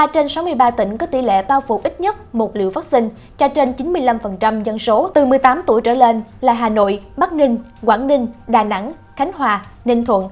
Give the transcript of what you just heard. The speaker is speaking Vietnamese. một mươi trên sáu mươi ba tỉnh có tỷ lệ bao phủ ít nhất một liều vaccine cho trên chín mươi năm dân số từ một mươi tám tuổi trở lên là hà nội bắc ninh quảng ninh đà nẵng khánh hòa ninh thuận